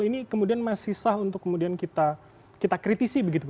ini kemudian masih sah untuk kemudian kita kritisi begitu